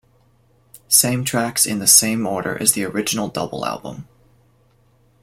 Same tracks in same order as original double album.